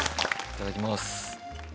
いただきます。